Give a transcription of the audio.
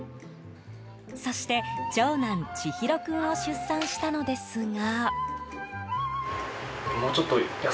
そして、長男・智大君を出産したのですが。